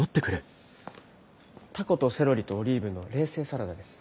タコとセロリとオリーブの冷製サラダです。